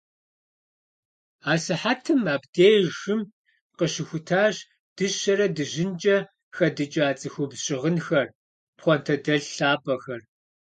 Асыхьэтым абдежым къыщыхутащ дыщэрэ дыжьынкӀэ хэдыкӀа цӀыхубз щыгъынхэр, пхъуантэдэлъ лъапӀэхэр.